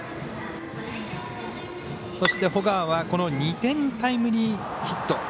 そして、保川は２点タイムリーヒット。